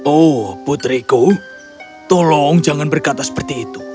oh putriku tolong jangan berkata seperti itu